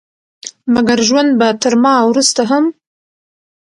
مګر ژوند به تر ما وروسته هم